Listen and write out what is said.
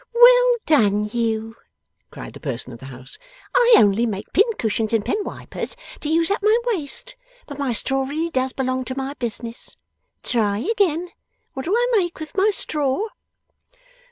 'Well done you!' cried the person of the house. 'I only make pincushions and pen wipers, to use up my waste. But my straw really does belong to my business. Try again. What do I make with my straw?